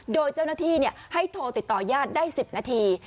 โดยเจ้าหน้าที่ให้โทรติดต่อญาติได้๑๐นาที